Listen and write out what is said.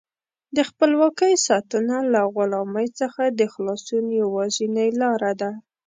د خپلواکۍ ساتنه له غلامۍ څخه د خلاصون یوازینۍ لاره ده.